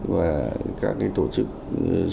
và các tổ chức xã hội nghề nghiệp